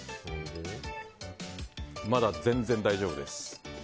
まだ全然大丈夫です。